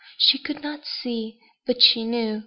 She could not see, but she knew.